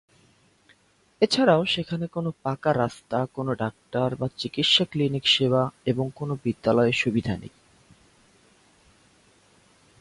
এছাড়াও সেখানে কোনও পাকা রাস্তা, কোনও ডাক্তার বা চিকিৎসা ক্লিনিক সেবা এবং কোনও বিদ্যালয়ের সুবিধা নেই।